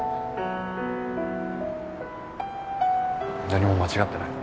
何も間違ってない。